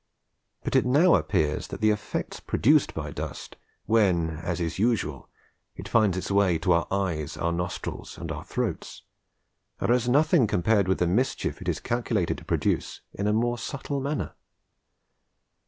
But it now appears that the effects produced by dust, when, as is usual, it finds its way to our eyes, our nostrils, and our throats, are as nothing compared with the mischief it is calculated to produce in a more subtle manner.